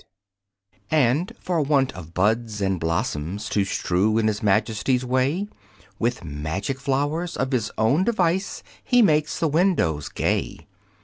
And for want of buds and blossoms To strew in his Majesty's way, With magic flowers of his own device He makes the windows gay.